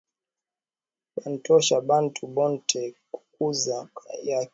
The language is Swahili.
Banatosha bantu bote kukazi yetu